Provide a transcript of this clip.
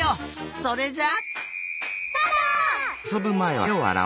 それじゃあ。